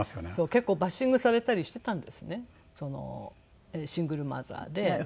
結構バッシングされたりしていたんですねシングルマザーで。